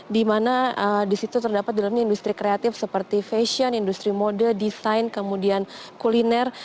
di mana terdapat dalam industri kreatif seperti fashion industri mode desain kuliner